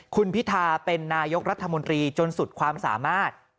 คุณพิธาเป็นนายกรัฐมนตรีจนสุดความสามารถ